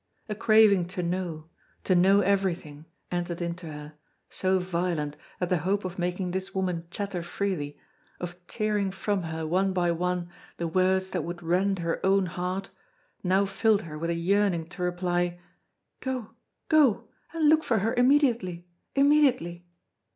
A craving to know, to know everything, entered into her, so violent that the hope of making this woman chatter freely, of tearing from her one by one the words that would rend her own heart, now filled her with a yearning to reply: "Go, go, and look for her immediately immediately.